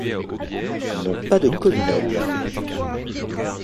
Ils n'ont pas de columelle.